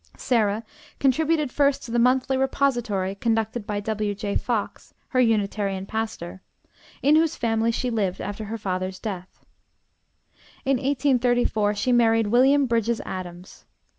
Sarah contributed first to the Monthly Repository, conducted by W.J. Fox, her Unitarian pastor, in whose family she lived after her father's death. In 1834 she married William Bridges Adams.